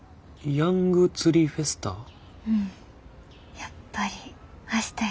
やっぱり明日や。